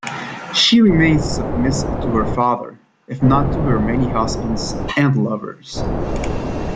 She remains submissive to her father, if not to her many husbands and lovers.